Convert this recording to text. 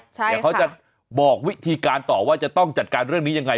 เดี๋ยวเขาจะบอกวิธีการต่อว่าจะต้องจัดการเรื่องนี้ยังไง